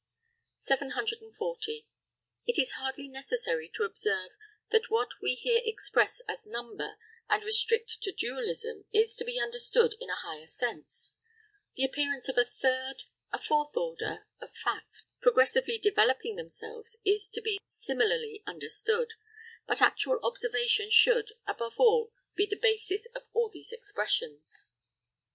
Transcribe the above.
740. It is hardly necessary to observe that what we here express as number and restrict to dualism is to be understood in a higher sense; the appearance of a third, a fourth order of facts progressively developing themselves is to be similarly understood; but actual observation should, above all, be the basis of all these expressions.